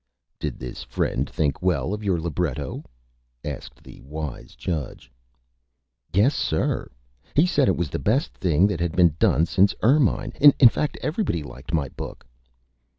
"Did this Friend think Well of your Libretto?" asked the Wise Judge. "Yes, sir; he said it was the Best Thing that had been done since 'Erminie.' In fact, everybody liked my Book."